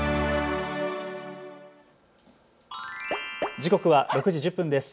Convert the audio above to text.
時刻は６時１０分です。